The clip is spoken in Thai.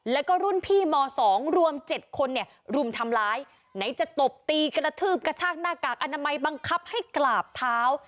แล้วก็รุ่นพี่ม๒รวม๗คนเนี่ยรุมทำร้ายไหนจะตบตีกระทืบกระชากหน้ากากอนามัยบังคับให้กราบเท้า